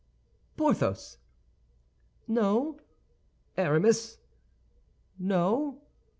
"Porthos?" "No." "Aramis?" "No.